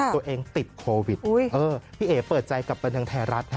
ตัวเองติดโควิดพี่เอ๋เปิดใจกับบันเทิงไทยรัฐ